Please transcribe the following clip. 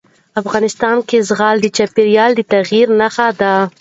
افغانستان کې زغال د چاپېریال د تغیر نښه ده.